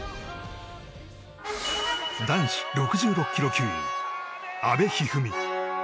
男子６６ｋｇ級阿部一二三。